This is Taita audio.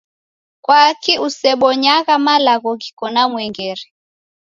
Kwaki usebonyagha malagho ghiko na mwengere?